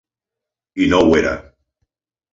I no ho era.